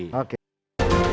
kekuasaan yang terakhir